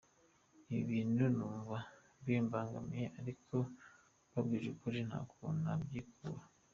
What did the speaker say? Ibi bintu numva bimbangamiye ariko mbabwije ukuri nta kuntu nabyikura.